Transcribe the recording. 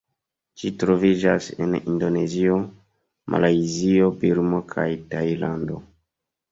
Ĝi troviĝas en Indonezio, Malajzio, Birmo kaj Tajlando.